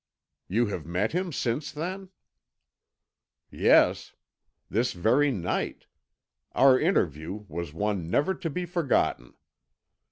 "You have met him since then?" "Yes this very night; our interview was one never to be forgotten.